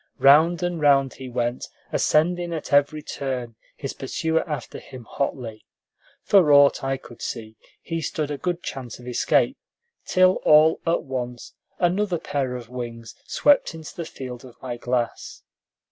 Round and round he went, ascending at every turn, his pursuer after him hotly. For aught I could see, he stood a good chance of escape, till all at once another pair of wings swept into the field of my glass.